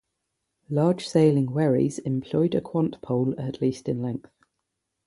Large sailing wherries employed a quant pole at least in length.